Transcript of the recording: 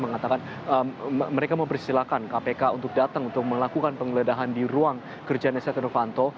mengatakan mereka mempersilahkan kpk untuk datang untuk melakukan penggeledahan di ruang kerjanya setia novanto